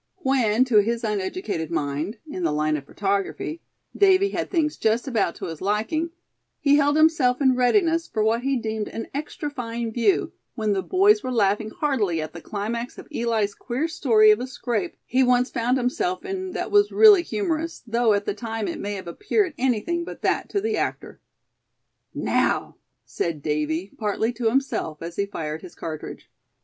When to his uneducated mind in the line of photography Davy had things just about to his liking, he held himself in readiness for what he deemed an extra fine view, when the boys were laughing heartily at the climax of Eli's queer story of a scrape he once found himself in that was really humorous, though at the time it may have appeared anything but that to the actor. "Now!" said Davy, partly to himself, as he fired his cartridge.